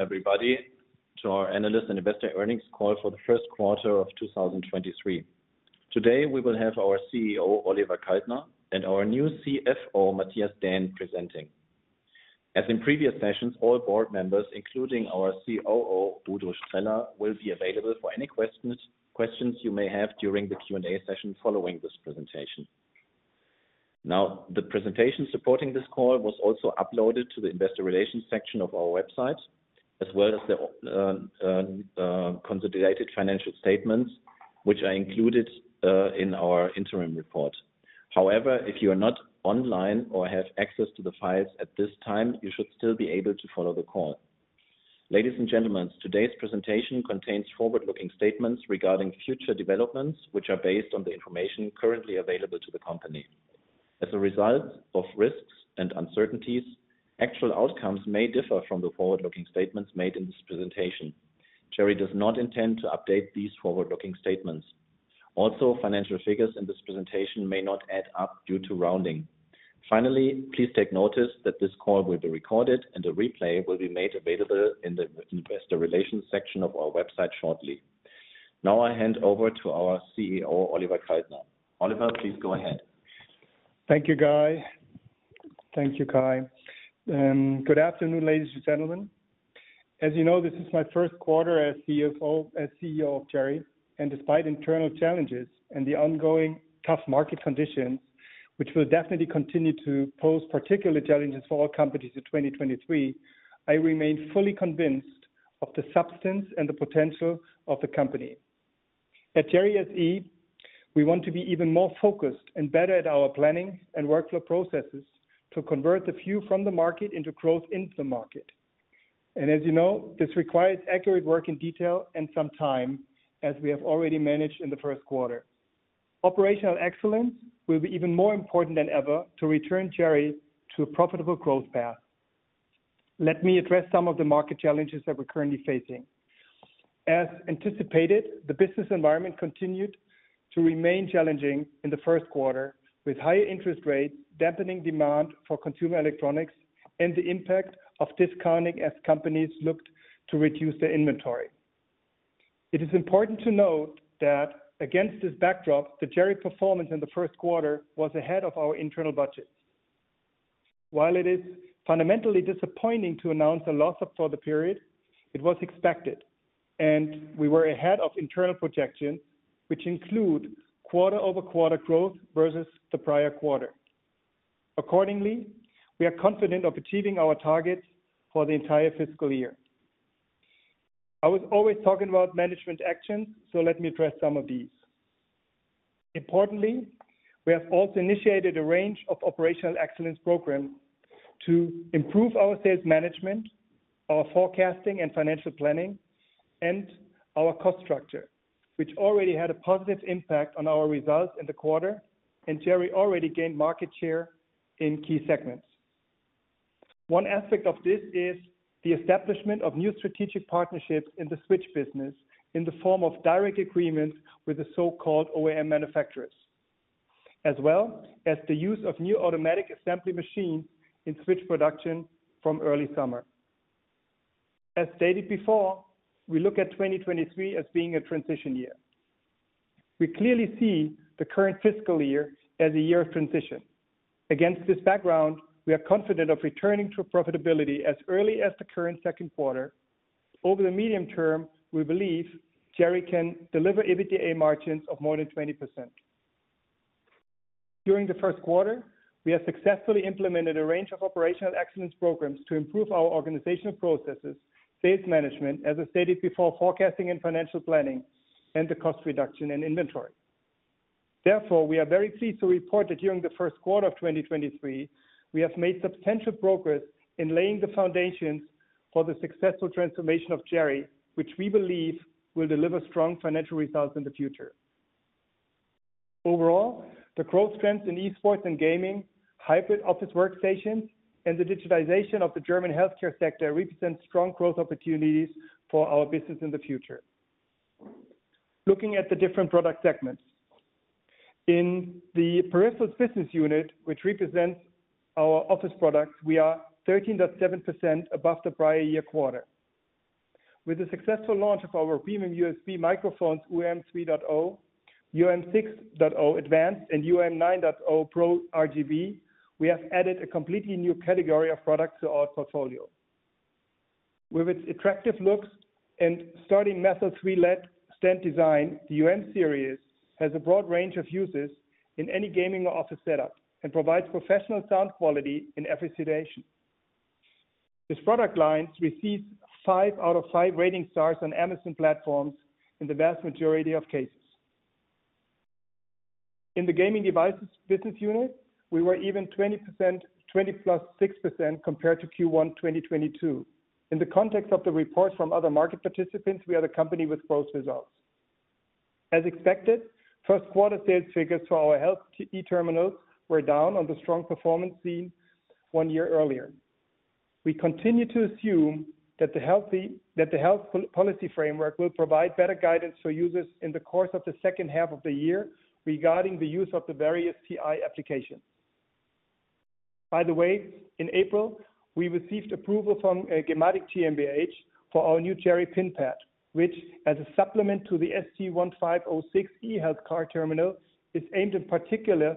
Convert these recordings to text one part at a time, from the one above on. Everybody to our analyst and investor earnings call for the first quarter of 2023. Today, we will have our CEO, Oliver Kaltner, and our new CFO, Mathias Dähn, presenting. As in previous sessions, all board members, including our COO, Udo Streller, will be available for any questions you may have during the Q&A session following this presentation. The presentation supporting this call was also uploaded to the investor relations section of our website, as well as the consolidated financial statements, which are included in our interim report. If you are not online or have access to the files at this time, you should still be able to follow the call. Ladies and gentlemen, today's presentation contains forward-looking statements regarding future developments, which are based on the information currently available to the company. As a result of risks and uncertainties, actual outcomes may differ from the forward-looking statements made in this presentation. Cherry does not intend to update these forward-looking statements. Financial figures in this presentation may not add up due to rounding. Please take notice that this call will be recorded and a replay will be made available in the investor relations section of our website shortly. I hand over to our CEO, Oliver Kaltner. Oliver, please go ahead. Thank you, Guy. Thank you, Kai. Good afternoon, ladies and gentlemen. As you know, this is my first quarter as CFO as CEO of Cherry SE. Despite internal challenges and the ongoing tough market conditions, which will definitely continue to pose particular challenges for all companies in 2023, I remain fully convinced of the substance and the potential of the company. At Cherry SE, we want to be even more focused and better at our planning and workflow processes to convert the few from the market into growth into the market. As you know, this requires accurate work in detail and some time, as we have already managed in the first quarter. Operational excellence will be even more important than ever to return Cherry to a profitable growth path. Let me address some of the market challenges that we're currently facing. As anticipated, the business environment continued to remain challenging in the first quarter, with higher interest rates dampening demand for consumer electronics and the impact of discounting as companies looked to reduce their inventory. It is important to note that against this backdrop, the Cherry performance in the first quarter was ahead of our internal budgets. While it is fundamentally disappointing to announce a loss for the period, it was expected, and we were ahead of internal projections, which include quarter-over-quarter growth versus the prior quarter. Accordingly, we are confident of achieving our targets for the entire fiscal year. I was always talking about management actions, so let me address some of these. We have also initiated a range of operational excellence programs to improve our sales management, our forecasting and financial planning, and our cost structure, which already had a positive impact on our results in the quarter, and Cherry already gained market share in key segments. One aspect of this is the establishment of new strategic partnerships in the Switch business in the form of direct agreements with the so-called OEM manufacturers, as well as the use of new automatic assembly machines in Switch production from early summer. As stated before, we look at 2023 as being a transition year. We clearly see the current fiscal year as a year of transition. Against this background, we are confident of returning to profitability as early as the current second quarter. Over the medium term, we believe Cherry can deliver EBITDA margins of more than 20%. During the first quarter, we have successfully implemented a range of operational excellence programs to improve our organizational processes, sales management, as I stated before, forecasting and financial planning, and the cost reduction and inventory. We are very pleased to report that during the first quarter of 2023, we have made substantial progress in laying the foundations for the successful transformation of Cherry, which we believe will deliver strong financial results in the future. Overall, the growth trends in esports and gaming, hybrid office workstations, and the digitization of the German healthcare sector represent strong growth opportunities for our business in the future. Looking at the different product segments. In the peripherals business unit, which represents our office products, we are 13.7% above the prior year quarter. With the successful launch of our premium USB microphones, UM 3.0, UM 6.0 ADVANCED, and UM 9.0 PRO RGB, we have added a completely new category of products to our portfolio. With its attractive looks and sturdy metal three-legged stand design, the UM series has a broad range of uses in any gaming or office setup and provides professional sound quality in every situation. This product line receives 5 out of 5 rating stars on Amazon platforms in the vast majority of cases. In the gaming devices business unit, we were even 20%, 20%+6% compared to Q1 2022. In the context of the reports from other market participants, we are the company with growth results. As expected, first quarter sales figures for our eHealth terminals were down on the strong performance seen 1 year earlier. We continue to assume that the health policy framework will provide better guidance for users in the course of the second half of the year regarding the use of the various TI applications. By the way, in April, we received approval from Gematik GmbH for our new Cherry PinPad, which, as a supplement to the ST-1506 eHealth card terminal, is aimed in particular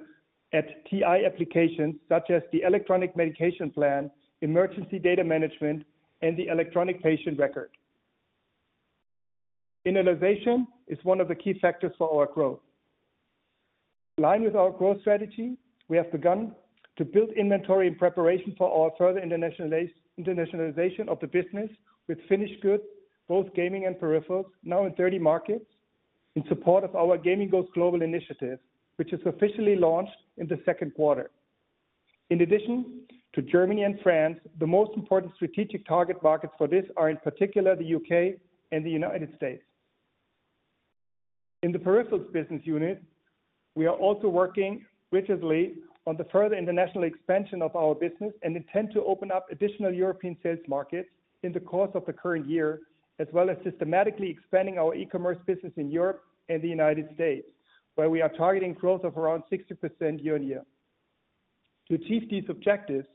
at TI applications such as the electronic medication plan, emergency data management, and the electronic patient record. Internationalization is one of the key factors for our growth. In line with our growth strategy, we have begun to build inventory in preparation for our further internationalization of the business with finished goods, both gaming and peripherals, now in 30 markets in support of our Gaming Goes Global initiative, which is officially launched in the second quarter. In addition to Germany and France, the most important strategic target markets for this are, in particular, the U.K. and the United States. In the peripherals business unit, we are also working rigorously on the further international expansion of our business and intend to open up additional European sales markets in the course of the current year, as well as systematically expanding our e-commerce business in Europe and the United States, where we are targeting growth of around 60% year-on-year. To achieve these objectives,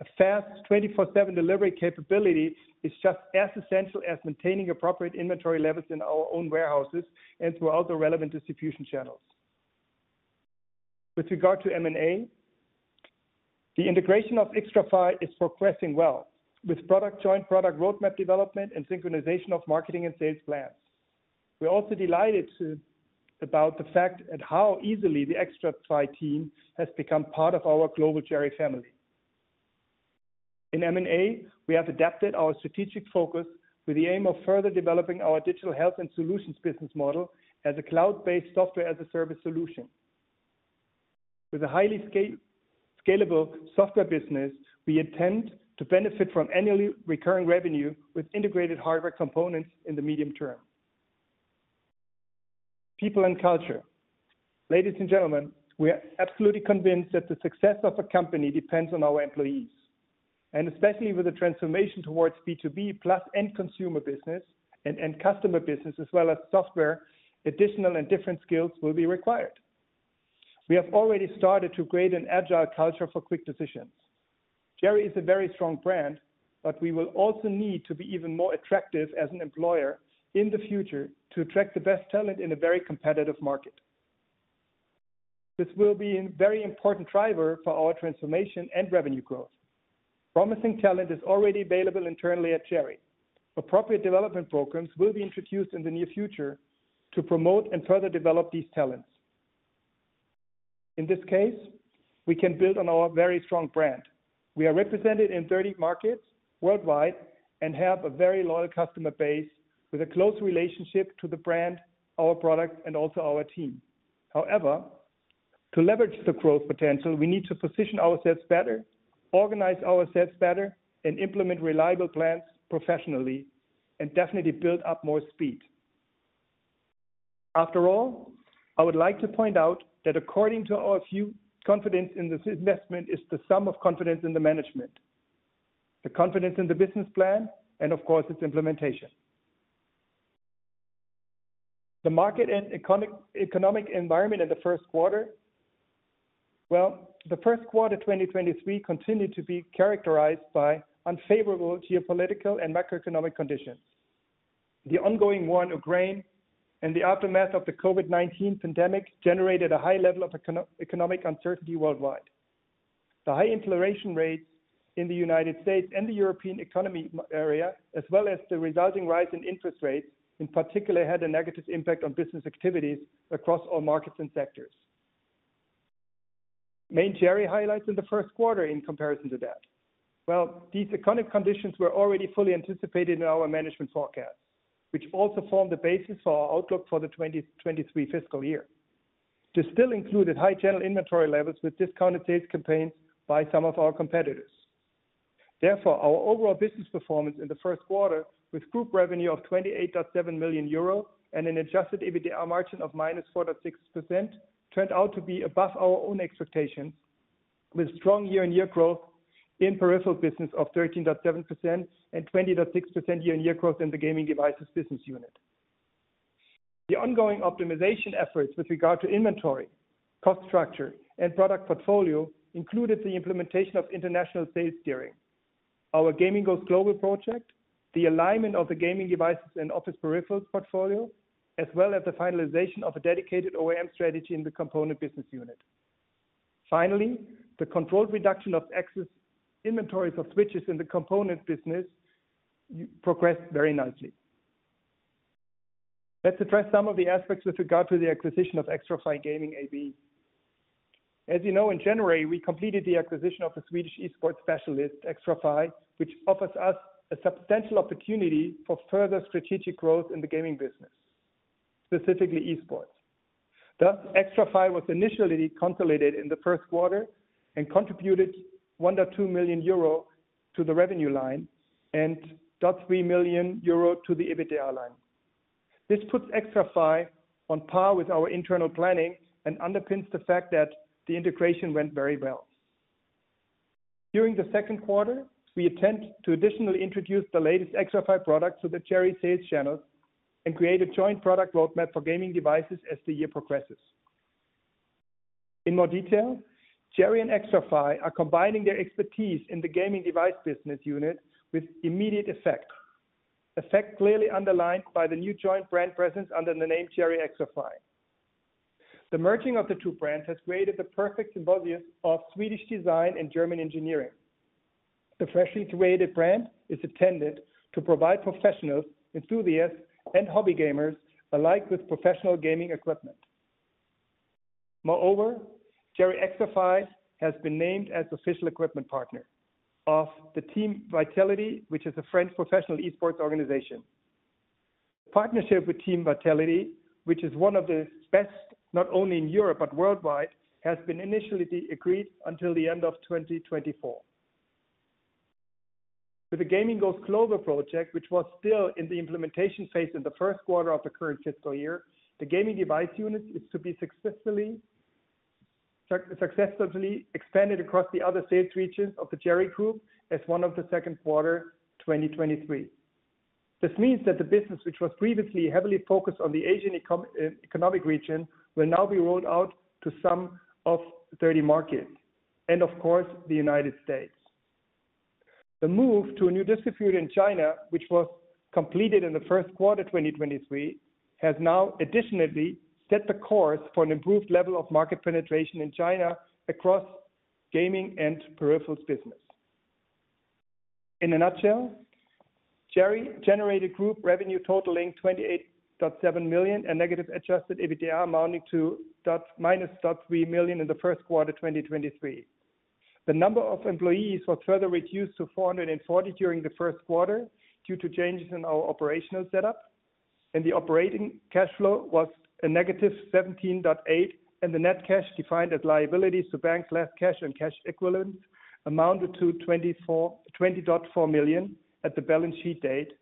a fast 24/7 delivery capability is just as essential as maintaining appropriate inventory levels in our own warehouses and throughout the relevant distribution channels. With regard to M&A, the integration of Xtrfy is progressing well, with joint product roadmap development and synchronization of marketing and sales plans. We're also delighted about the fact at how easily the Xtrfy team has become part of our global Cherry family. In M&A, we have adapted our strategic focus with the aim of further developing our digital health and solutions business model as a cloud-based software as a service solution. With a highly scalable software business, we intend to benefit from annually recurring revenue with integrated hardware components in the medium term. People and culture. Ladies and gentlemen, we are absolutely convinced that the success of a company depends on our employees, and especially with the transformation towards B2B plus end consumer business and customer business as well as software, additional and different skills will be required. We have already started to create an agile culture for quick decisions. Cherry is a very strong brand, but we will also need to be even more attractive as an employer in the future to attract the best talent in a very competitive market. This will be an very important driver for our transformation and revenue growth. Promising talent is already available internally at Cherry. Appropriate development programs will be introduced in the near future to promote and further develop these talents. In this case, we can build on our very strong brand. We are represented in 30 markets worldwide and have a very loyal customer base with a close relationship to the brand, our product, and also our team. To leverage the growth potential, we need to position ourselves better, organize ourselves better, and implement reliable plans professionally, and definitely build up more speed. I would like to point out that according to our view, confidence in this investment is the sum of confidence in the management, the confidence in the business plan, and of course, its implementation. The market and econo-economic environment in the first quarter. Well, the first quarter, 2023 continued to be characterized by unfavorable geopolitical and macroeconomic conditions. The ongoing war in Ukraine and the aftermath of the COVID-19 pandemic generated a high level of econo-economic uncertainty worldwide. The high inflation rates in the United States and the European economy, area, as well as the resulting rise in interest rates, in particular, had a negative impact on business activities across all markets and sectors. Main Cherry highlights in the first quarter in comparison to that. These economic conditions were already fully anticipated in our management forecast, which also formed the basis for our outlook for the 2023 fiscal year. This still included high general inventory levels with discounted sales campaigns by some of our competitors. Therefore, our overall business performance in the 1st quarter, with group revenue of 28.7 million euro and an adjusted EBITDA margin of -4.6%, turned out to be above our own expectations, with strong year-on-year growth in peripheral business of 13.7% and 20.6% year-on-year growth in the gaming devices business unit. The ongoing optimization efforts with regard to inventory, cost structure, and product portfolio included the implementation of international sales steering, our Gaming Goes Global project, the alignment of the gaming devices and office peripherals portfolio, as well as the finalization of a dedicated OEM strategy in the component business unit. Finally, the controlled reduction of excess inventories of switches in the component business progressed very nicely. Let's address some of the aspects with regard to the acquisition of Xtrfy Gaming AB. As you know, in January, we completed the acquisition of the Swedish esports specialist, Xtrfy, which offers us a substantial opportunity for further strategic growth in the gaming business, specifically esports. Thus, Xtrfy was initially consolidated in the first quarter and contributed 1.2 million euro to the revenue line and 0.3 million euro to the EBITDA line. This puts Xtrfy on par with our internal planning and underpins the fact that the integration went very well. During the second quarter, we intend to additionally introduce the latest Xtrfy products to the Cherry sales channels. Create a joint product roadmap for gaming devices as the year progresses. In more detail, Cherry and Xtrfy are combining their expertise in the gaming device business unit with immediate effect. Effect clearly underlined by the new joint brand presence under the name Cherry Xtrfy. The merging of the two brands has created the perfect symbiosis of Swedish design and German engineering. The freshly created brand is intended to provide professionals, enthusiasts, and hobby gamers alike with professional gaming equipment. Cherry Xtrfy has been named as official equipment partner of the Team Vitality, which is a French professional esports organization. Partnership with Team Vitality, which is one of the best, not only in Europe but worldwide, has been initially agreed until the end of 2024. With the Gaming Goes Global project, which was still in the implementation phase in the first quarter of the current fiscal year, the gaming device unit is to be successfully expanded across the other sales regions of the Cherry group as one of the second quarter 2023. This means that the business which was previously heavily focused on the Asian economic region, will now be rolled out to some of 30 markets and of course, the United States. The move to a new distributor in China, which was completed in the first quarter 2023, has now additionally set the course for an improved level of market penetration in China across gaming and peripherals business. In a nutshell, Cherry generated group revenue totaling 28.7 million and negative adjusted EBITDA amounting to minus 0.3 million in the first quarter 2023. The number of employees was further reduced to 440 during the first quarter due to changes in our operational setup, and the operating cash flow was a negative 17.8, and the net cash defined as liabilities to banks left cash and cash equivalents amounted to 20.4 million at the balance sheet date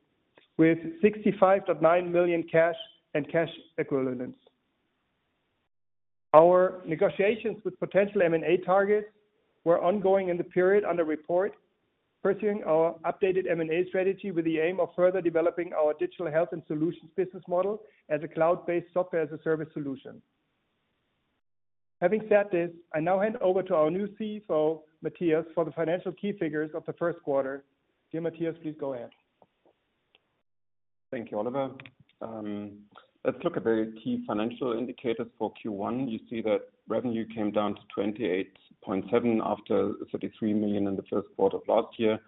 with 65.9 million cash and cash equivalents. Our negotiations with potential M&A targets were ongoing in the period under report, pursuing our updated M&A strategy with the aim of further developing our digital health and solutions business model as a cloud-based Software as a Service solution. Having said this, I now hand over to our new CFO, Matthias, for the financial key figures of the first quarter. Dear Matthias, please go ahead. Thank you, Oliver. Let's look at the key financial indicators for Q1. You see that revenue came down to 28.7 after 33 million in the first quarter of last year,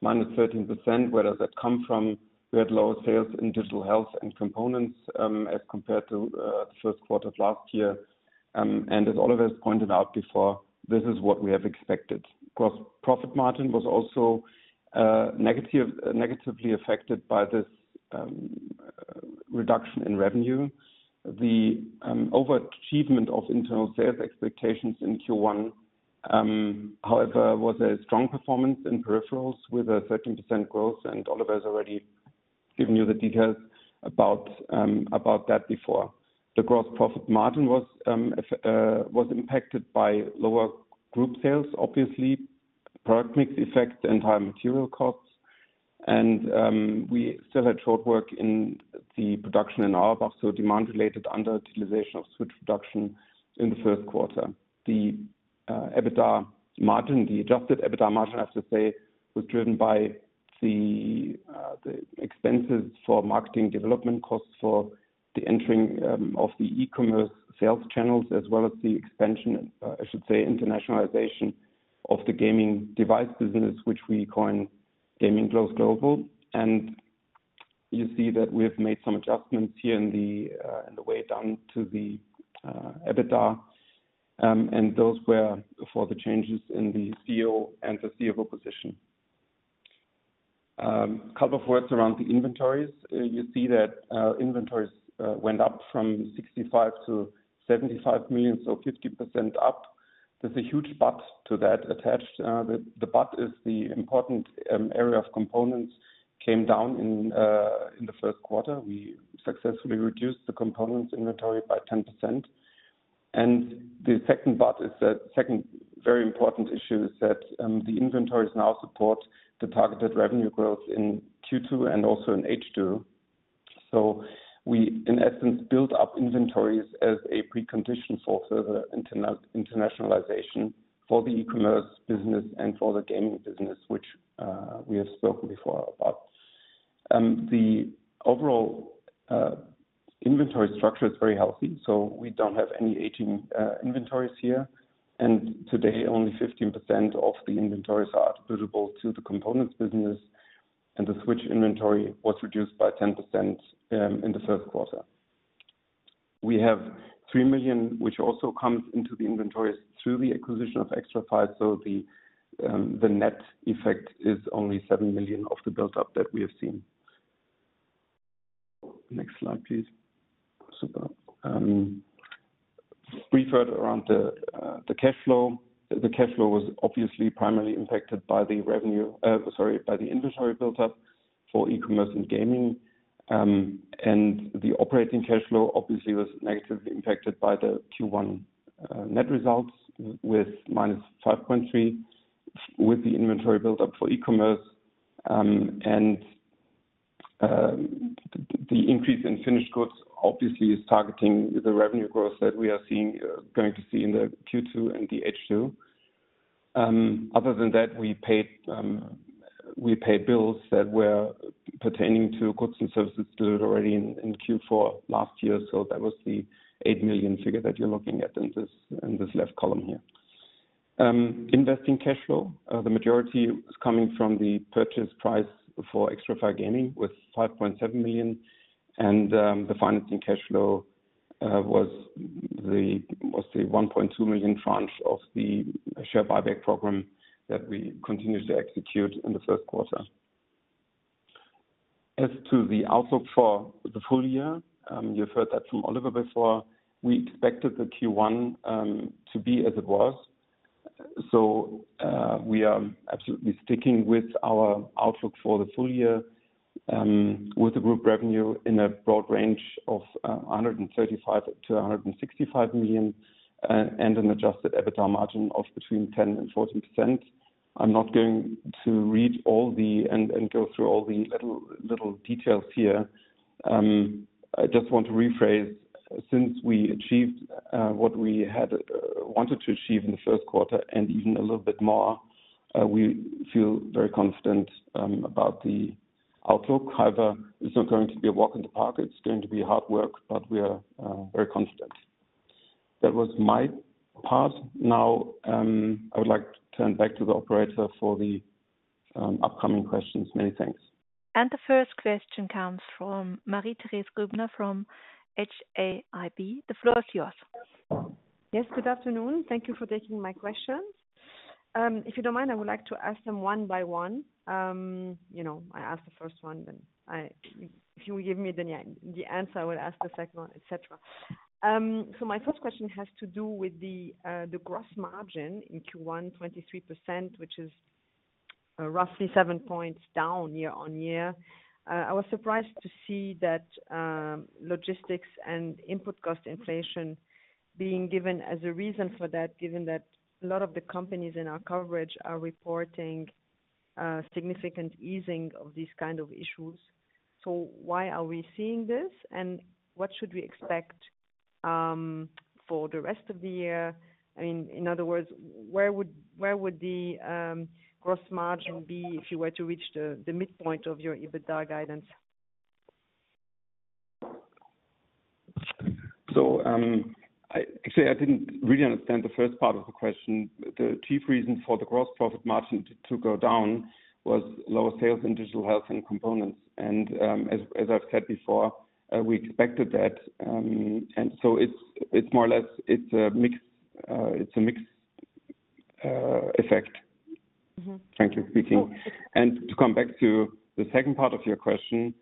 minus 13%. Where does that come from? We had lower sales in digital health and components as compared to the first quarter of last year. As Oliver has pointed out before, this is what we have expected. Gross profit margin was also negative, negatively affected by this reduction in revenue. The overachievement of internal sales expectations in Q1, however, was a strong performance in peripherals with a 13% growth. Oliver has already given you the details about that before. The gross profit margin was impacted by lower group sales, obviously, product mix effect and higher material costs. We still had short work in the production in Auerbach, so demand related underutilization of switch production in the first quarter. The EBITDA margin, the adjusted EBITDA margin, I have to say, was driven by the expenses for marketing development costs for the entering of the e-commerce sales channels as well as the expansion, I should say internationalization of the gaming device business, which we coin Gaming Goes Global. You see that we have made some adjustments here in the way down to the EBITDA, and those were for the changes in the CEO and the CFO position. Couple of words around the inventories. You see that inventories went up from 65 million to 75 million, so 50% up. There's a huge but to that attached. The but is the important area of components came down in the first quarter. We successfully reduced the components inventory by 10%. The second but is that second very important issue is that the inventories now support the targeted revenue growth in Q2 and also in H2. We in essence, built up inventories as a precondition for further internationalization for the e-commerce business and for the gaming business, which we have spoken before about. The overall inventory structure is very healthy, so we don't have any aging inventories here. Today, only 15% of the inventories are attributable to the components business, and the switch inventory was reduced by 10% in the first quarter. We have 3 million, which also comes into the inventories through the acquisition of Xtrfy. The net effect is only 7 million of the buildup that we have seen. Next slide, please. Super. Brief word around the cash flow. The cash flow was obviously primarily impacted by the revenue, by the inventory built up for e-commerce and gaming. The operating cash flow obviously was negatively impacted by the Q1 net results with -5.3 million. With the inventory build up for e-commerce, the increase in finished goods obviously is targeting the revenue growth that we are seeing, going to see in the Q2 and the H2. Other than that we paid bills that were pertaining to goods and services delivered already in Q4 last year. That was the 8 million figure that you're looking at in this left column here. Investing cash flow, the majority is coming from the purchase price for Xtrfy Gaming with 5.7 million. The financing cash flow was the 1.2 million tranche of the share buyback program that we continued to execute in the first quarter. As to the outlook for the full year, you've heard that from Oliver before. We expected the Q1 to be as it was. We are absolutely sticking with our outlook for the full year, with the group revenue in a broad range of 135 million-165 million, and an adjusted EBITDA margin of between 10%-14%. I'm not going to read and go through all the little details here. I just want to rephrase, since we achieved what we had wanted to achieve in the first quarter and even a little bit more, we feel very confident about the outlook. It's not going to be a walk in the park. It's going to be hard work, but we are very confident. That was my part. I would like to turn back to the operator for the upcoming questions. Many thanks. The first question comes from Marie-Thérèse Grübner from HAIB. The floor is yours. Good afternoon. Thank you for taking my questions. If you don't mind, I would like to ask them one by one. You know, I ask the first one. If you give me the answer, I will ask the second one, et cetera. My first question has to do with the gross margin in H1 23%, which is roughly seven points down year-over-year. I was surprised to see that logistics and input cost inflation being given as a reason for that, given that a lot of the companies in our coverage are reporting significant easing of these kind of issues. Why are we seeing this, and what should we expect for the rest of the year? I mean, in other words, where would the gross margin be if you were to reach the midpoint of your EBITDA guidance? Actually, I didn't really understand the first part of the question. The chief reason for the gross profit margin to go down was lower sales in digital health and components. As I've said before, we expected that. It's more or less a mixed effect. Thank you. To come back to the second part of your question,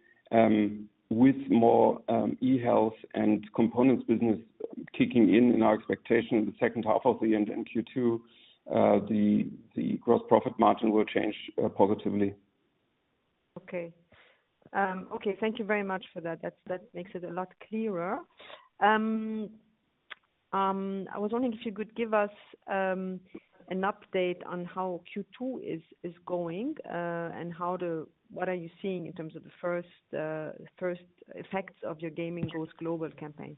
with more e-health and components business kicking in our expectation in the second half of the end in Q2, the gross profit margin will change positively. Okay. Okay. Thank you very much for that. That makes it a lot clearer. I was wondering if you could give us an update on how Q2 is going. What are you seeing in terms of the first effects of your Gaming Goes Global campaign?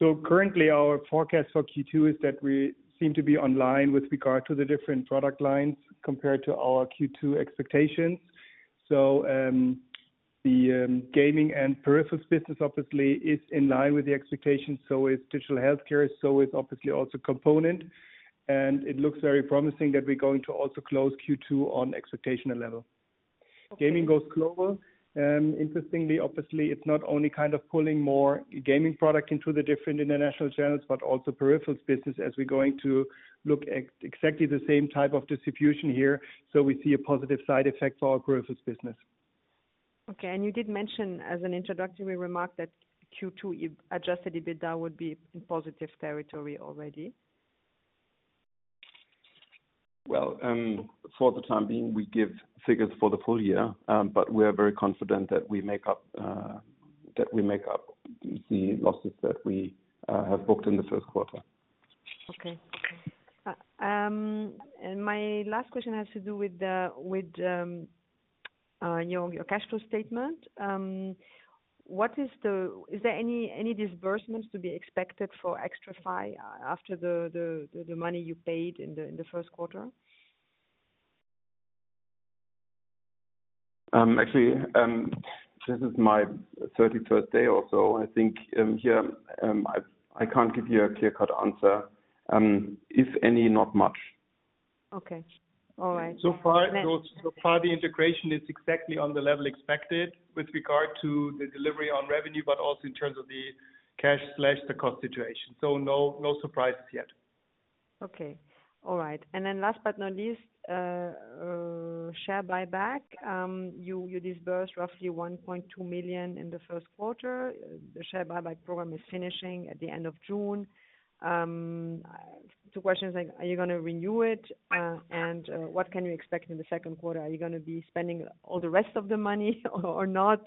Currently our forecast for Q2 is that we seem to be online with regard to the different product lines compared to our Q2 expectations. The gaming and peripherals business obviously is in line with the expectations, so is digital healthcare, so is obviously also component. It looks very promising that we're going to also close Q2 on expectational level. Okay. Gaming Goes Global, interestingly, obviously, it's not only kind of pulling more gaming product into the different international channels, but also peripherals business as we're going to look exactly the same type of distribution here. We see a positive side effect for our peripherals business. Okay. You did mention as an introductory remark that Q2 adjusted EBITDA would be in positive territory already. For the time being, we give figures for the full year, but we are very confident that we make up the losses that we have booked in the first quarter. My last question has to do with your cash flow statement. Is there any disbursements to be expected for Xtrfy after the money you paid in the first quarter? Actually, this is my 31st day or so. I think, here, I can't give you a clear-cut answer. If any, not much. Okay. All right. So far the integration is exactly on the level expected with regard to the delivery on revenue, but also in terms of the cash/the cost situation. No surprises yet. Okay. All right. Last but not least, share buyback. You disbursed roughly 1.2 million in the first quarter. The share buyback program is finishing at the end of June. Two questions. Are you gonna renew it? What can you expect in the second quarter? Are you gonna be spending all the rest of the money or not?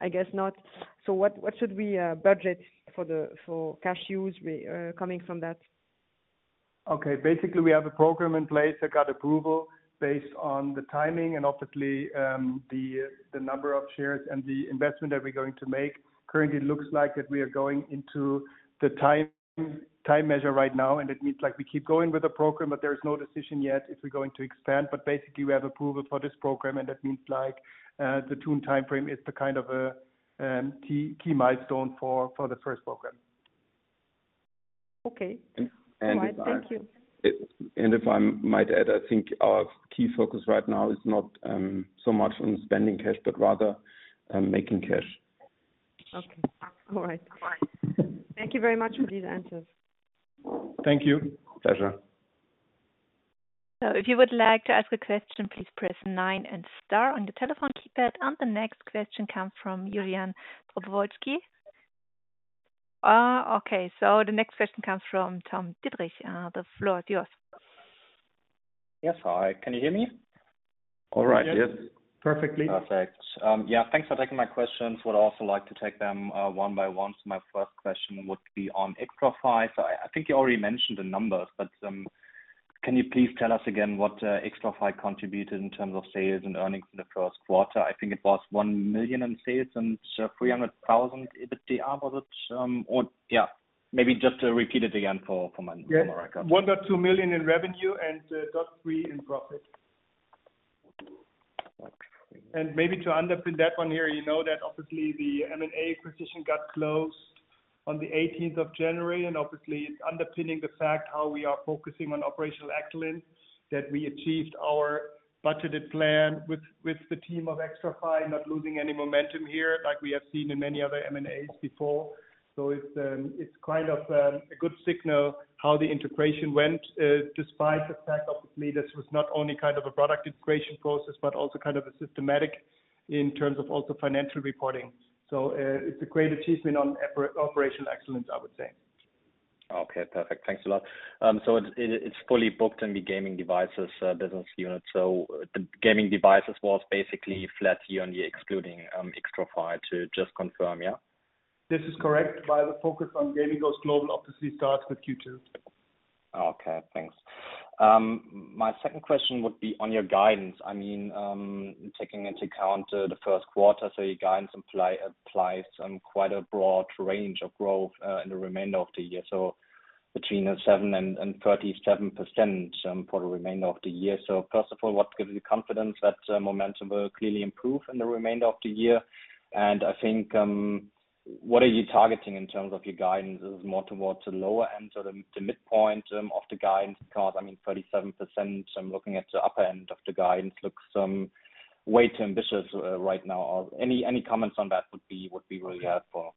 I guess not. What should we budget for the cash use coming from that? Basically, we have a program in place that got approval based on the timing and obviously, the number of shares and the investment that we're going to make. Currently looks like that we are going into the time measure right now, and it means, like, we keep going with the program, but there is no decision yet if we're going to expand. Basically, we have approval for this program, and that means like, the tune time frame is the kind of a, key milestone for the first program. Okay. All right. Thank you. If I might add, I think our key focus right now is not so much on spending cash, but rather on making cash. Okay. All right. Thank you very much for these answers. Thank you. Pleasure. If you would like to ask a question, please press 9 and star on your telephone keypad. The next question comes from Julian Brovarsky. Okay. The next question comes from Tom Dietrich. The floor is yours. Yes. Hi, can you hear me? All right. Yes. Perfectly. Perfect. Yeah. Thanks for taking my questions. Would also like to take them one by one. My first question would be on Xtrfy. I think you already mentioned the numbers, but, can you please tell us again what Xtrfy contributed in terms of sales and earnings in the first quarter. I think it was 1 million in sales and 300,000 EBITDA. Was it, or yeah, maybe just repeat it again for my, for my records. 1.2 million in revenue, 0.3 million in profit. Maybe to underpin that one here, you know that obviously the M&A acquisition got closed on the 18th of January, and obviously it's underpinning the fact how we are focusing on operational excellence, that we achieved our budgeted plan with the team of Xtrfy not losing any momentum here like we have seen in many other M&As before. It's kind of a good signal how the integration went despite the fact, obviously this was not only kind of a product integration process, but also kind of a systematic in terms of also financial reporting. It's a great achievement on operational excellence, I would say. Okay. Perfect. Thanks a lot. It, it's fully booked in the gaming devices business unit. The gaming devices was basically flat year-on-year, excluding Xtrfy to just confirm, yeah? This is correct. While the focus on Gaming Goes Global obviously starts with Q2. Okay, thanks. My second question would be on your guidance. I mean, taking into account the first quarter. Your guidance applies on quite a broad range of growth in the remainder of the year. Between 7% and 37% for the remainder of the year. First of all, what gives you confidence that momentum will clearly improve in the remainder of the year? I think, what are you targeting in terms of your guidance? Is it more towards the lower end or the midpoint of the guidance? Because, I mean, 37%, I'm looking at the upper end of the guidance, looks way too ambitious right now. Any comments on that would be really helpful.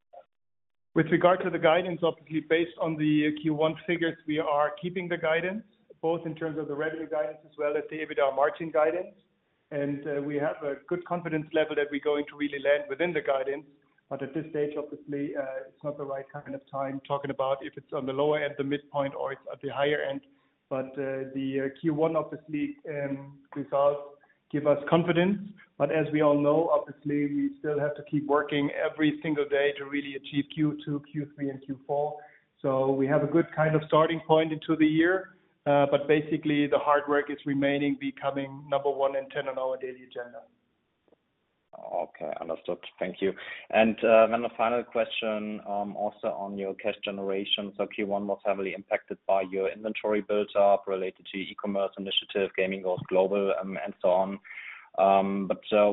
With regard to the guidance, obviously based on the Q1 figures, we are keeping the guidance both in terms of the revenue guidance as well as the EBITDA margin guidance. We have a good confidence level that we're going to really land within the guidance. At this stage, obviously, it's not the right kind of time talking about if it's on the lower end, the midpoint or it's at the higher end. The Q1 obviously, results give us confidence. As we all know, obviously we still have to keep working every single day to really achieve Q2, Q3 and Q4. We have a good kind of starting point into the year, but basically the hard work is remaining, becoming number one and 10 on our daily agenda. Thank you. The final question also on your cash generation. Q1 was heavily impacted by your inventory buildup related to e-commerce initiative, Gaming Goes Global, and so on.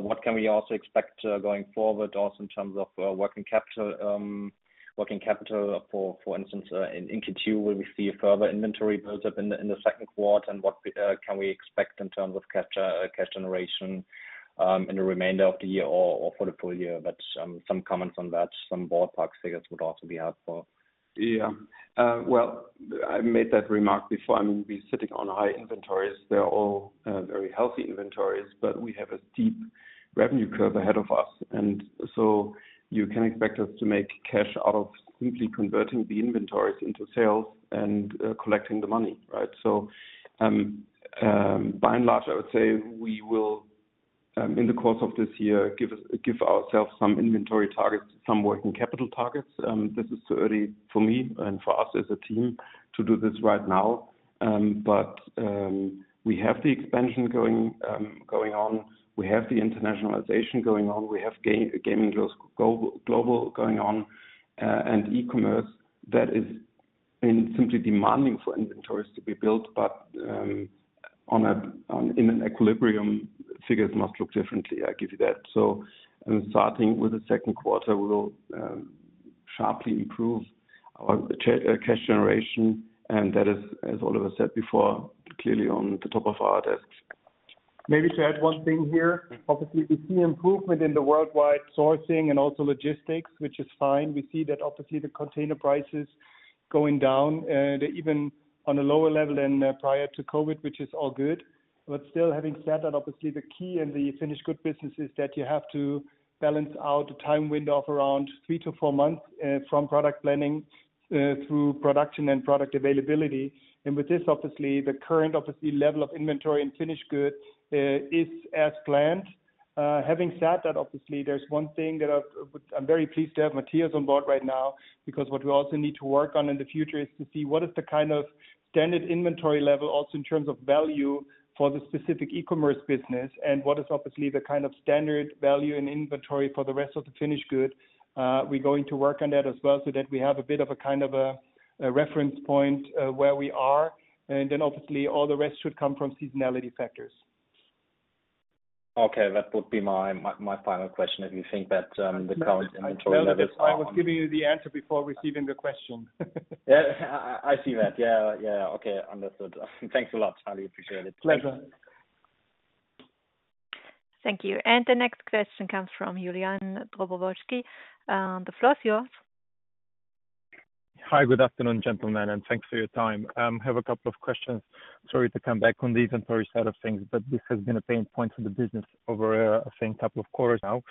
What can we also expect going forward also in terms of working capital? Working capital for instance in Q2, will we see further inventory builds up in the second quarter? And what can we expect in terms of cash generation in the remainder of the year or for the full year? Some comments on that, some ballpark figures would also be helpful Yeah. Well, I made that remark before. I mean, we're sitting on high inventories. They're all very healthy inventories, we have a steep revenue curve ahead of us. You can expect us to make cash out of simply converting the inventories into sales and collecting the money, right? By and large, I would say we will in the course of this year, give ourselves some inventory targets, some working capital targets. This is too early for me and for us as a team to do this right now. We have the expansion going on. We have the internationalization going on. We have Gaming Goes Global going on, and e-commerce that is simply demanding for inventories to be built. In an equilibrium, figures must look differently, I give you that. Starting with the second quarter, we will sharply improve our cash generation, and that is, as Oliver said before, clearly on the top of our desks. Maybe to add one thing here. Obviously, we see improvement in the worldwide sourcing and also logistics, which is fine. We see that obviously the container prices going down, they're even on a lower level than prior to COVID, which is all good. Still, having said that, obviously the key in the finished good business is that you have to balance out a time window of around three to four months from product planning through production and product availability. With this, obviously, the current, obviously, level of inventory and finished goods is as planned. Having said that, obviously there's one thing that I'm very pleased to have Matthias on board right now, because what we also need to work on in the future is to see what is the kind of standard inventory level also in terms of value for the specific e-commerce business, and what is obviously the kind of standard value and inventory for the rest of the finished good. We're going to work on that as well, so that we have a bit of a kind of a reference point where we are. Then obviously all the rest should come from seasonality factors. That would be my final question. If you think that, the current inventory levels. I was giving you the answer before receiving the question. Yeah, I see that. Yeah. Okay, understood. Thanks a lot. I really appreciate it. Pleasure. Thank you. The next question comes from Julian Dobrovolschi. The floor is yours. Hi, good afternoon, gentlemen, and thanks for your time. I have a couple of questions. Sorry to come back on the inventory side of things, but this has been a pain point for the business over, I think, a couple of quarters now.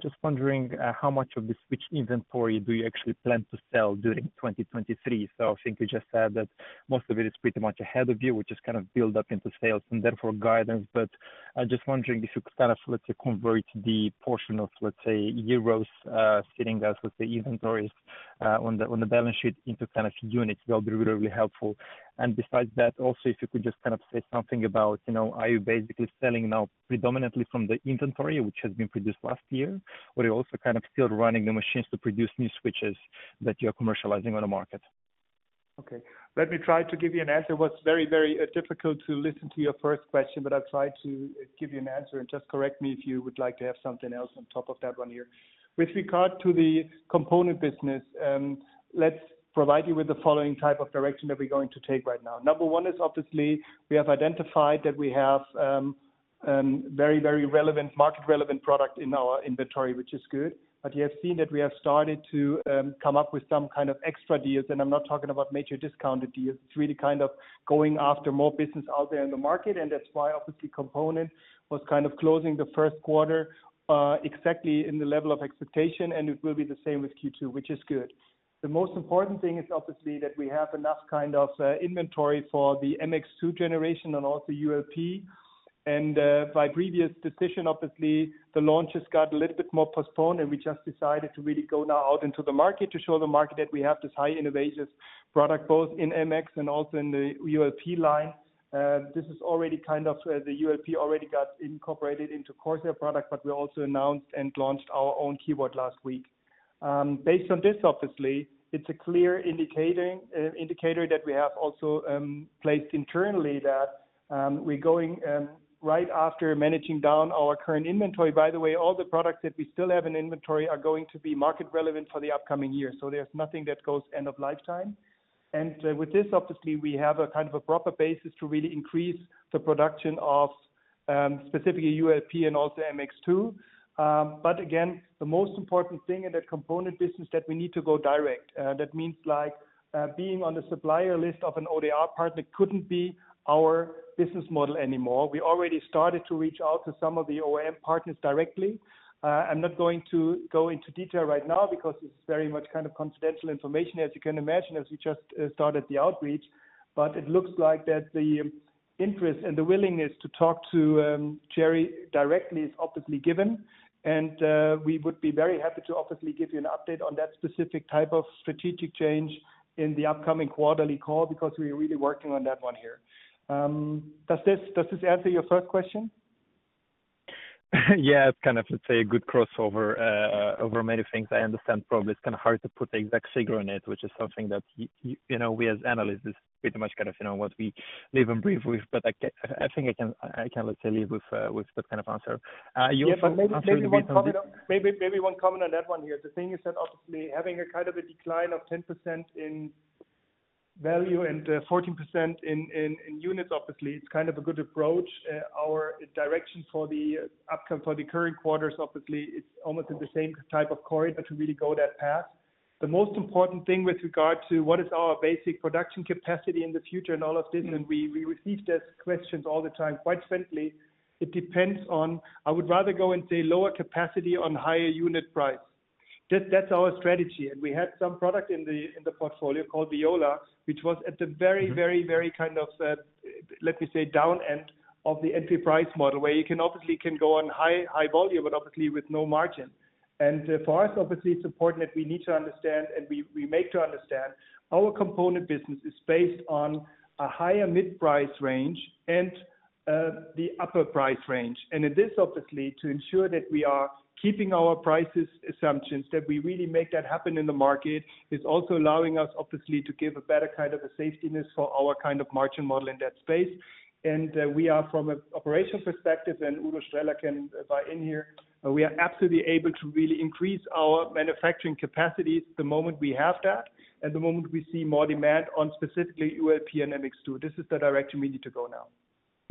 Just wondering how much of this switch inventory do you actually plan to sell during 2023? I think you just said that most of it is pretty much ahead of you, which is kinda build up into sales and therefore guidance. I'm just wondering if you kind of, let's say, convert the portion of, let's say, euros sitting there with the inventories on the balance sheet into kind of units. That would be really helpful. Besides that, also, if you could just kind of say something about, you know, are you basically selling now predominantly from the inventory, which has been produced last year? Or are you also kind of still running the machines to produce new switches that you're commercializing on the market? Okay, let me try to give you an answer. What's very, very difficult to listen to your first question. I'll try to give you an answer and just correct me if you would like to have something else on top of that one here. With regard to the component business, let's provide you with the following type of direction that we're going to take right now. Number one is obviously we have identified that we have very, very relevant, market relevant product in our inventory, which is good. You have seen that we have started to come up with some kind of extra deals, and I'm not talking about major discounted deals. It's really kind of going after more business out there in the market, that's why obviously Component was kind of closing the first quarter exactly in the level of expectation, and it will be the same with Q2, which is good. The most important thing is obviously that we have enough kind of inventory for the MX2 generation and also ULP. By previous decision, obviously the launches got a little bit more postponed and we just decided to really go now out into the market to show the market that we have this high innovations product both in MX and also in the ULP line. This is already kind of, the ULP already got incorporated into CORSAIR product, we also announced and launched our own keyboard last week. Based on this, obviously, it's a clear indicating indicator that we have also placed internally that we're going right after managing down our current inventory. By the way, all the products that we still have in inventory are going to be market relevant for the upcoming year. There's nothing that goes end of lifetime. With this, obviously, we have a kind of a proper basis to really increase the production of specifically ULP and also MX2. Again, the most important thing in the component business that we need to go direct. That means like being on the supplier list of an ODR partner couldn't be our business model anymore. We already started to reach out to some of the OEM partners directly. I'm not going to go into detail right now because it's very much kind of confidential information, as you can imagine, as we just started the outreach. It looks like that the interest and the willingness to talk to Cherry directly is obviously given, and we would be very happy to obviously give you an update on that specific type of strategic change in the upcoming quarterly call, because we are really working on that one here. Does this answer your first question? Yeah. It's kind of, let's say, a good crossover, over many things. I understand probably it's kind of hard to put the exact figure on it, which is something that you know, we as analysts is pretty much kind of, you know, what we live and breathe with. I think I can, let's say, live with that kind of answer. You also mentioned. Maybe one comment on that one here. The thing is that obviously having a kind of a decline of 10% in value and 14% in units, obviously it's kind of a good approach. Our direction for the outcome for the current quarters, obviously it's almost in the same type of corridor to really go that path. The most important thing with regard to what is our basic production capacity in the future and all of this, and we receive these questions all the time, quite frankly, it depends on... I would rather go and say lower capacity on higher unit price. That's our strategy. We had some product in the portfolio called VIOLA, which was at the very, very, very kind of, let me say, down end of the MP price model, where you can obviously go on high volume, but obviously with no margin. For us, obviously, it's important that we need to understand and we make to understand our component business is based on a higher mid-price range and the upper price range. In this, obviously, to ensure that we are keeping our prices assumptions, that we really make that happen in the market, is also allowing us, obviously, to give a better kind of a safetiness for our kind of margin model in that space. We are from an operational perspective.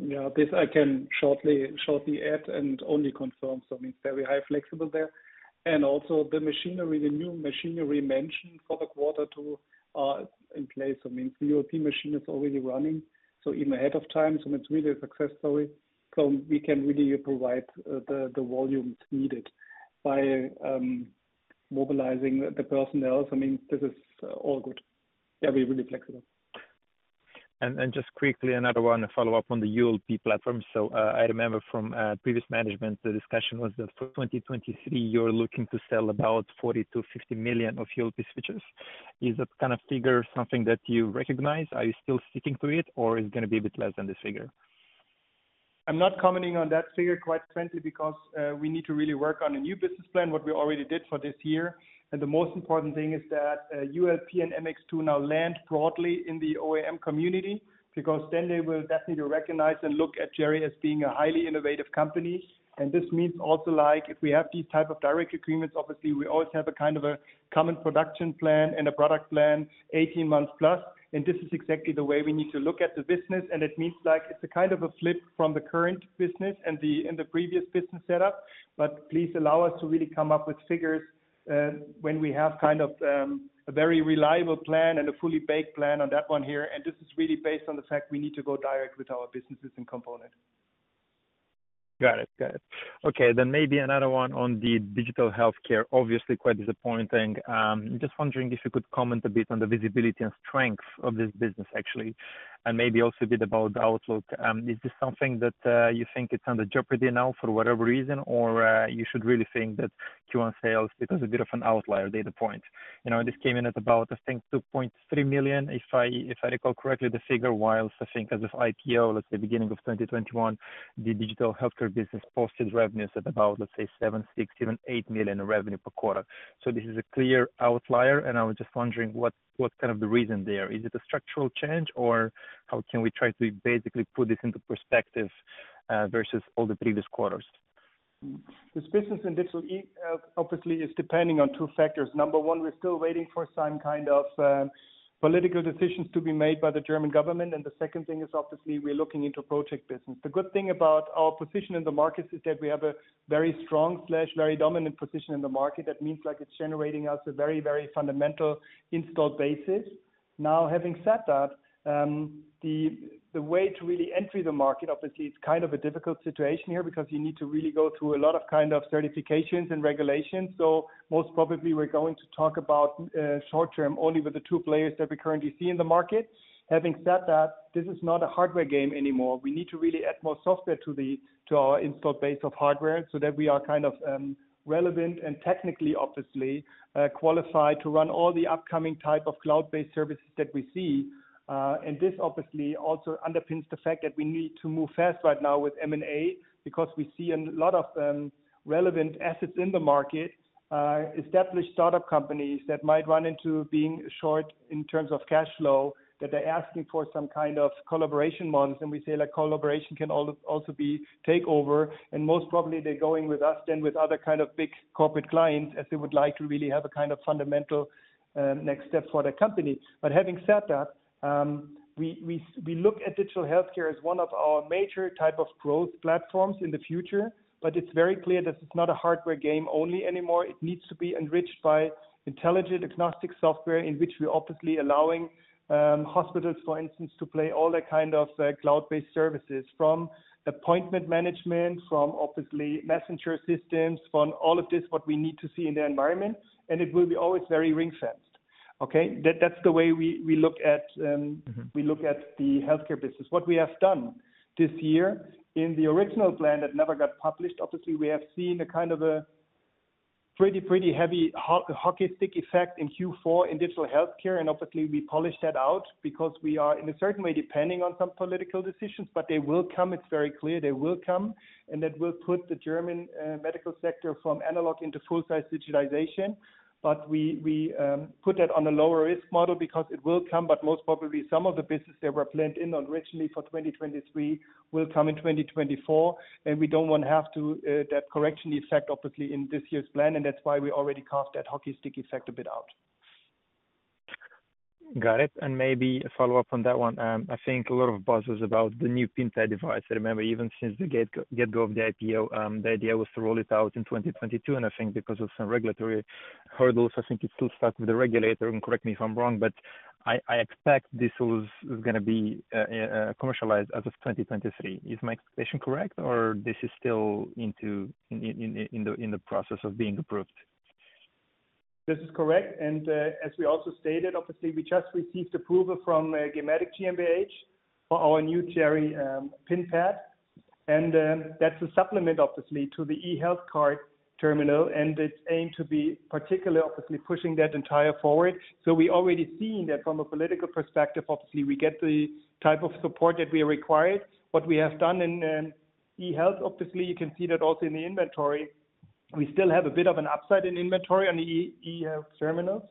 Yeah, this I can shortly add and only confirm. I mean, very high flexible there. Also the machinery, the new machinery mentioned for the quarter two are in place. I mean, the ULP machine is already running, so even ahead of time. It's really successful. We can really provide the volumes needed by mobilizing the personnel. I mean, this is all good. Yeah, we're really flexible. Just quickly another one to follow up on the ULP platform. I remember from previous management, the discussion was that for 2023, you're looking to sell about 40 million-50 million ULP switches. Is that kind of figure something that you recognize? Are you still sticking to it, or is it gonna be a bit less than this figure? I'm not commenting on that figure quite frankly, because we need to really work on a new business plan, what we already did for this year. The most important thing is that ULP and MX2A now land broadly in the OEM community, because then they will definitely recognize and look at Cherry as being a highly innovative company. This means also like, if we have these type of direct agreements, obviously we always have a kind of a common production plan and a product plan 18 months plus. This is exactly the way we need to look at the business, and it means like it's a kind of a flip from the current business and the previous business setup. Please allow us to really come up with figures when we have kind of a very reliable plan and a fully baked plan on that one here. This is really based on the fact we need to go direct with our businesses and component. Got it. Got it. Okay, maybe another one on the digital healthcare, obviously quite disappointing. Just wondering if you could comment a bit on the visibility and strength of this business actually, and maybe also a bit about the outlook. Is this something that you think it's under jeopardy now for whatever reason, or you should really think that Q1 sales, it was a bit of an outlier data point. You know, this came in at about, I think, 2.3 million, if I, if I recall correctly the figure, whilst I think as of IPO, let's say beginning of 2021, the digital healthcare business posted revenues at about, let's say, 7 million, 6 million, even 8 million in revenue per quarter. This is a clear outlier, and I was just wondering what's kind of the reason there? Is it a structural change, or how can we try to basically put this into perspective, versus all the previous quarters? This business in digital obviously is depending on two factors. Number one, we're still waiting for some kind of political decisions to be made by the German government. The second thing is obviously we're looking into project business. The good thing about our position in the market is that we have a very strong/very dominant position in the market. That means like it's generating us a very, very fundamental installed basis. Now, having said that, the way to really enter the market, obviously it's kind of a difficult situation here because you need to really go through a lot of kind of certifications and regulations. Most probably we're going to talk about short-term only with the two players that we currently see in the market. Having said that, this is not a hardware game anymore. We need to really add more software to the, to our installed base of hardware so that we are kind of relevant and technically obviously qualified to run all the upcoming type of cloud-based services that we see. This obviously also underpins the fact that we need to move fast right now with M&A because we see a lot of relevant assets in the market, established startup companies that might run into being short in terms of cash flow, that they're asking for some kind of collaboration models. We say like collaboration can also be takeover. Most probably they're going with us than with other kind of big corporate clients, as they would like to really have a kind of fundamental next step for their company. Having said that, we look at digital healthcare as one of our major type of growth platforms in the future. It's very clear that it's not a hardware game only anymore. It needs to be enriched by intelligent agnostic software in which we're obviously allowing hospitals, for instance, to play all the kind of, cloud-based services, from appointment management, from obviously messenger systems, from all of this, what we need to see in the environment, and it will be always very ring-fenced. Okay. That's the way we look at. Mm-hmm. We look at the healthcare business. What we have done this year in the original plan that never got published, obviously, we have seen a kind of a pretty heavy hockey stick effect in Q4 in digital healthcare, obviously we polished that out because we are in a certain way depending on some political decisions. They will come. It's very clear they will come. That will put the German medical sector from analog into full size digitization. We put that on a lower risk model because it will come, but most probably some of the business that were planned in originally for 2023 will come in 2024. We don't want to have that correction effect obviously in this year's plan. That's why we already carved that hockey stick effect a bit out. Got it. Maybe a follow-up on that one. I think a lot of buzz was about the new PIN pad device. I remember even since the get go of the IPO, the idea was to roll it out in 2022, and I think because of some regulatory hurdles, I think it's still stuck with the regulator, and correct me if I'm wrong. I expect this was gonna be commercialized as of 2023. Is my expectation correct, or this is still in the process of being approved? This is correct. As we also stated, obviously, we just received approval from gematik GmbH for our new GerE PIN pad. That's a supplement obviously to the eHealth Terminal ST-1506, and it's aimed to be particularly obviously pushing that entire forward. We already seen that from a political perspective, obviously, we get the type of support that we required. What we have done in eHealth, obviously, you can see that also in the inventory, we still have a bit of an upside in inventory on eHealth terminals.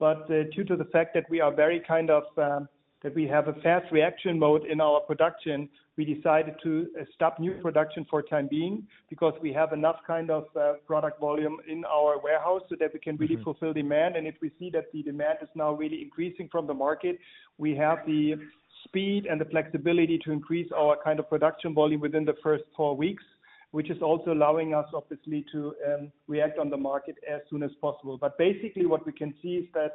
Due to the fact that we are very kind of that we have a fast reaction mode in our production, we decided to stop new production for time being because we have enough kind of product volume in our warehouse so that we can really fulfill demand. If we see that the demand is now really increasing from the market, we have the speed and the flexibility to increase our kind of production volume within the first four weeks, which is also allowing us obviously to react on the market as soon as possible. Basically what we can see is that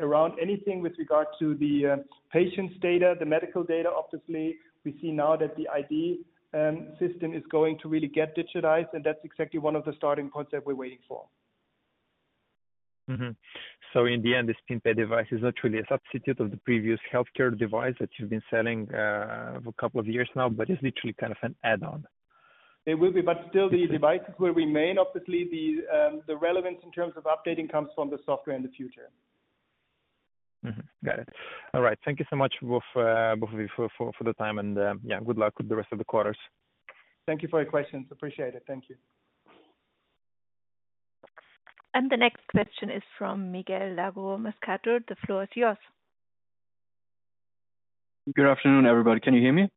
around anything with regard to the patient's data, the medical data, obviously, we see now that the ID system is going to really get digitized, and that's exactly one of the starting points that we're waiting for. In the end, this PinPay device is not really a substitute of the previous healthcare device that you've been selling for a couple of years now, but it's literally kind of an add-on. It will be, but still the devices will remain. Obviously, the relevance in terms of updating comes from the software in the future. Got it. All right. Thank you so much, Wolf, for the time and yeah, good luck with the rest of the quarters. Thank you for your questions. Appreciate it. Thank you. The next question is from Miguel Lago Mascato. The floor is yours. Good afternoon, everybody. Can you hear me?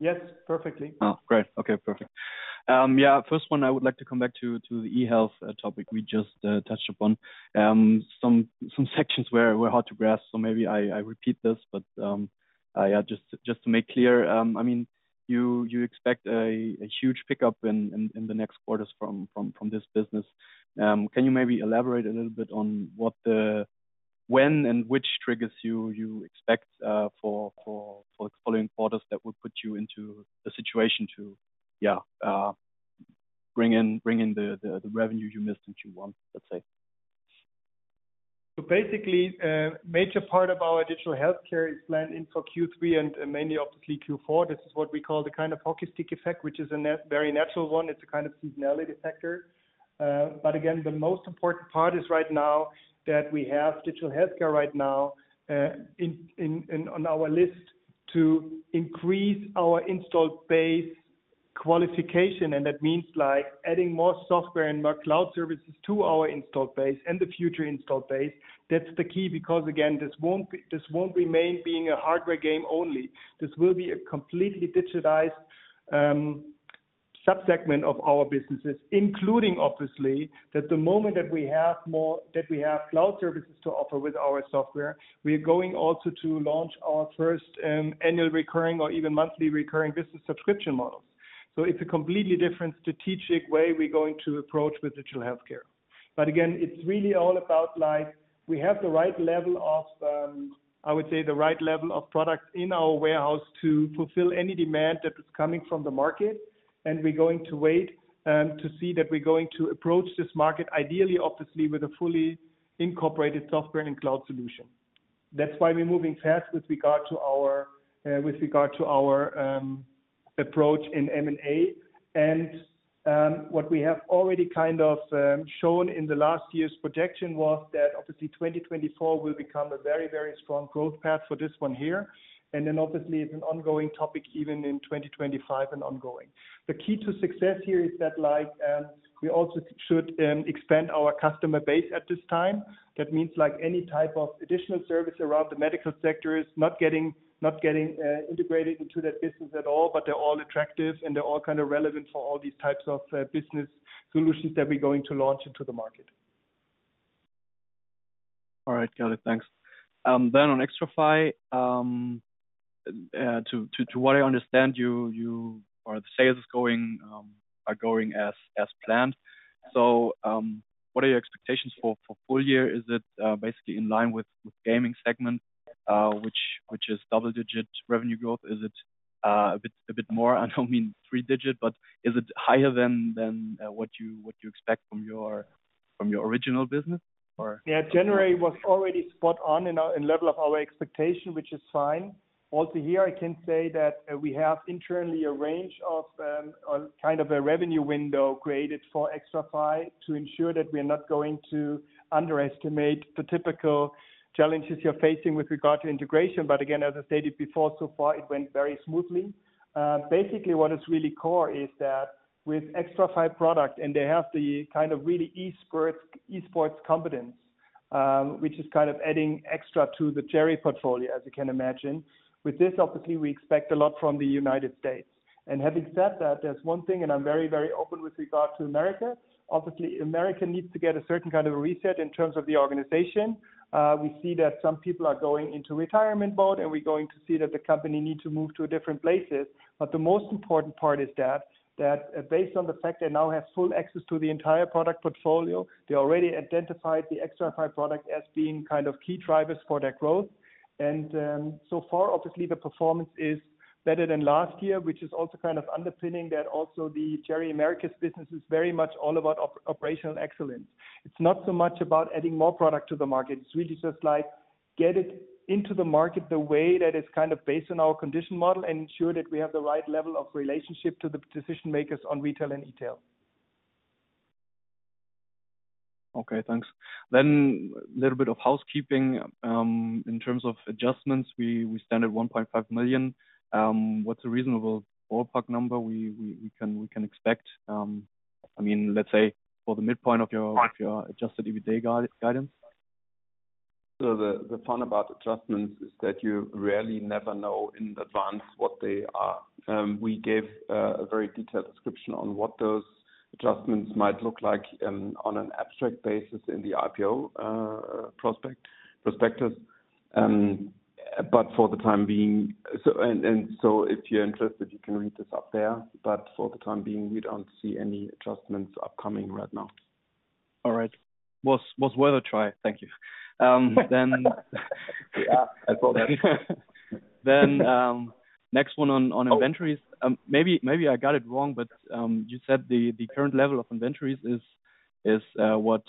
Yes, perfectly. Great. Okay, perfect. First one I would like to come back to the eHealth topic we just touched upon. Some sections were hard to grasp, so maybe I repeat this, but just to make clear, I mean, you expect a huge pickup in the next quarters from this business. Can you maybe elaborate a little bit on when and which triggers you expect for the following quarters that would put you into the situation to bring in the revenue you missed in Q1, let's say? Basically, major part of our digital healthcare is planned in for Q3 and mainly obviously Q4. This is what we call the kind of hockey stick effect, which is a very natural one. It's a kind of seasonality factor. Again, the most important part is right now that we have digital healthcare right now in on our list to increase our installed base qualification. That means, like, adding more software and more cloud services to our installed base and the future installed base. That's the key, because again, this won't remain being a hardware game only. This will be a completely digitized sub-segment of our businesses, including obviously, that the moment that we have that we have cloud services to offer with our software, we are going also to launch our first annual recurring or even monthly recurring business subscription models. It's a completely different strategic way we're going to approach with digital healthcare. Again, it's really all about, like, we have the right level of I would say, the right level of product in our warehouse to fulfill any demand that is coming from the market. We're going to wait to see that we're going to approach this market ideally, obviously, with a fully incorporated software and cloud solution. That's why we're moving fast with regard to our with regard to our approach in M&A. What we have already kind of shown in the last year's projection was that obviously 2024 will become a very, very strong growth path for this one here. Obviously it's an ongoing topic even in 2025 and ongoing. The key to success here is that, like, we also should expand our customer base at this time. That means, like, any type of additional service around the medical sector is not getting integrated into that business at all, but they're all attractive and they're all kind of relevant for all these types of business solutions that we're going to launch into the market. Thanks. Then on Xtrfy, to what I understand, the sales are going as planned. What are your expectations for full year? Is it basically in line with gaming segment, which is double-digit revenue growth? Is it a bit more? I do not mean three digit, but is it higher than what you expect from your original business Yeah. January was already spot on in our, in level of our expectation, which is fine. Also here, I can say that we have internally a range of a kind of a revenue window created for Xtrfy to ensure that we are not going to underestimate the typical challenges you're facing with regard to integration. Again, as I stated before, so far it went very smoothly. Basically what is really core is that with Xtrfy product, and they have the kind of really esports competence, which is kind of adding extra to the Cherry portfolio, as you can imagine. With this, obviously, we expect a lot from the United States. Having said that, there's one thing, and I'm very, very open with regard to America. Obviously, America needs to get a certain kind of a reset in terms of the organization. We see that some people are going into retirement mode. We're going to see that the company need to move to different places. The most important part is that, based on the fact they now have full access to the entire product portfolio, they already identified the Xtrfy product as being kind of key drivers for their growth. So far, obviously the performance is better than last year, which is also kind of underpinning that also the Cherry Americas business is very much all about operational excellence. It's not so much about adding more product to the market. It's really just like get it into the market the way that is kind of based on our condition model and ensure that we have the right level of relationship to the decision makers on retail and e-tail. Okay, thanks. Little bit of housekeeping. In terms of adjustments, we stand at 1.5 million. What's a reasonable ballpark number we can expect, I mean, let's say for the midpoint of your- Right. of your adjusted EBITDA guidance? The fun about adjustments is that you really never know in advance what they are. We gave a very detailed description on what those adjustments might look like on an abstract basis in the IPO prospectus. But for the time being. If you're interested, you can read this up there, but for the time being, we don't see any adjustments upcoming right now. All right. Was worth a try. Thank you. Then- Yeah, I saw that. Next one on inventories. Maybe I got it wrong, but you said the current level of inventories is what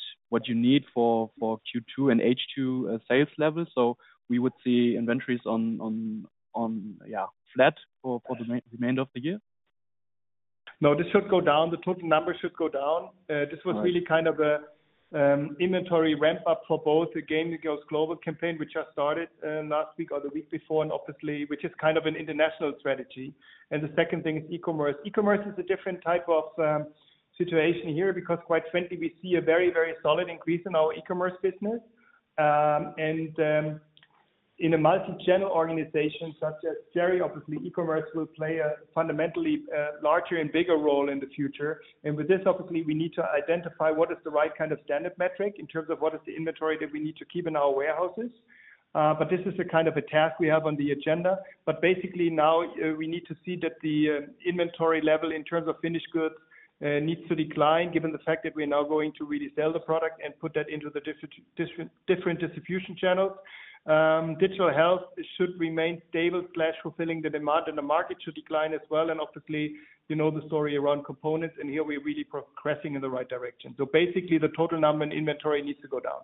you need for Q2 and H2 sales levels. we would see inventories on, yeah, flat for the remainder of the year? No, this should go down. The total number should go down. This was really kind of an inventory ramp up for both the Gaming Goes Global campaign, which just started last week or the week before, and obviously, which is kind of an international strategy. The second thing is e-commerce. E-commerce is a different type of situation here because quite frankly, we see a very, very solid increase in our e-commerce business. In a multi-channel organization such as Cherry, obviously e-commerce will play a fundamentally larger and bigger role in the future. With this, obviously, we need to identify what is the right kind of standard metric in terms of what is the inventory that we need to keep in our warehouses. This is a kind of a task we have on the agenda. Basically now we need to see that the inventory level in terms of finished goods needs to decline given the fact that we are now going to really sell the product and put that into the different distribution channels. Digital health should remain stable/fulfilling the demand, and the market should decline as well. Obviously, you know the story around components, and here we're really progressing in the right direction. Basically, the total number in inventory needs to go down.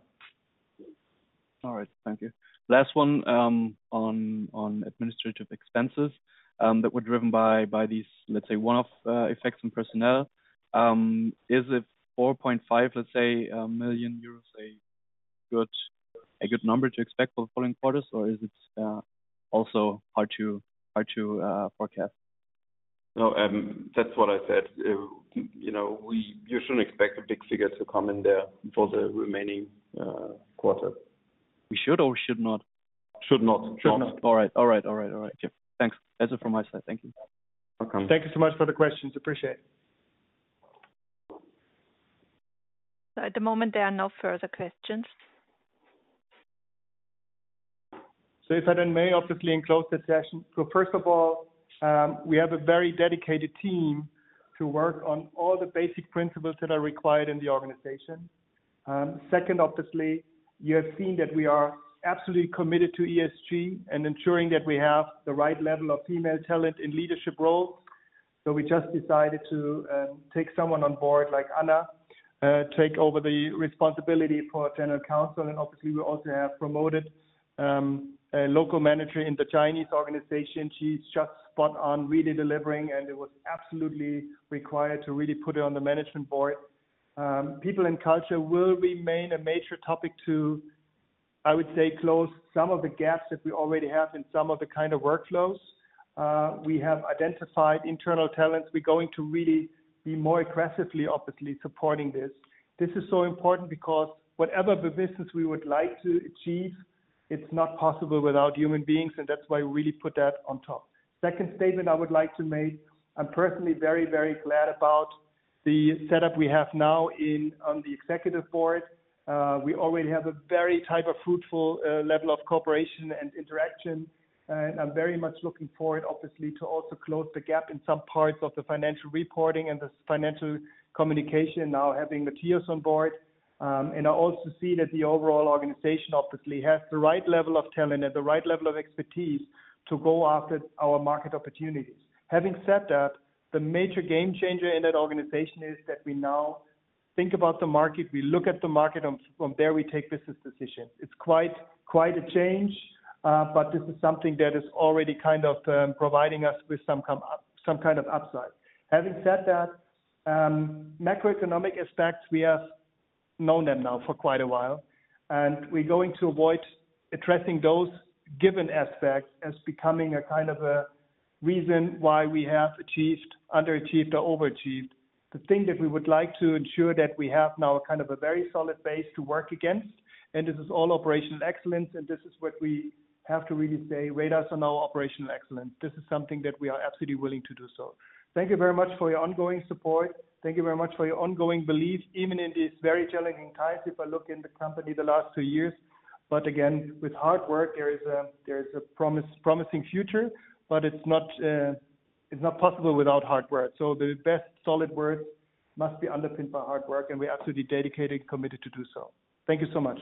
All right. Thank you. Last one, on administrative expenses, that were driven by these, let's say, one-off effects in personnel, is it 4.5 million, let's say, a good number to expect for the following quarters? Or is it also hard to forecast? No, that's what I said. you know, you shouldn't expect a big figure to come in there for the remaining quarter. We should or should not? Should not. Should not. All right. All right. All right. All right. Yeah. Thanks. That's it from my side. Thank you. Welcome. Thank you so much for the questions. Appreciate it. At the moment, there are no further questions. If I then may obviously close the session. First of all, we have a very dedicated team to work on all the basic principles that are required in the organization. Second, obviously, you have seen that we are absolutely committed to ESG and ensuring that we have the right level of female talent in leadership roles. We just decided to take someone on board like Anna, take over the responsibility for general counsel. Obviously, we also have promoted, a local manager in the Chinese organization. She's just spot on, really delivering, and it was absolutely required to really put her on the management board. People and culture will remain a major topic to, I would say, close some of the gaps that we already have in some of the kind of workflows. We have identified internal talents. We're going to really be more aggressively, obviously, supporting this. This is so important because whatever the business we would like to achieve, it's not possible without human beings, and that's why we really put that on top. Second statement I would like to make, I'm personally very, very glad about the setup we have now on the executive board. We already have a very type of fruitful level of cooperation and interaction. I'm very much looking forward, obviously, to also close the gap in some parts of the financial reporting and this financial communication now having Mathias on board. I also see that the overall organization obviously has the right level of talent and the right level of expertise to go after our market opportunities. Having said that, the major game changer in that organization is that we now think about the market, we look at the market, from there, we take business decisions. It's quite a change, this is something that is already kind of providing us with some kind of upside. Having said that, macroeconomic aspects, we have known them now for quite a while, we're going to avoid addressing those given aspects as becoming a kind of a reason why we have achieved, underachieved or overachieved. The thing that we would like to ensure that we have now a kind of a very solid base to work against, this is all operational excellence, this is what we have to really say, rate us on our operational excellence. This is something that we are absolutely willing to do so. Thank you very much for your ongoing support. Thank you very much for your ongoing belief, even in these very challenging times, if I look in the company the last 2 years. Again, with hard work, there is a promising future, but it's not possible without hard work. The best solid work must be underpinned by hard work, and we are absolutely dedicated, committed to do so. Thank you so much.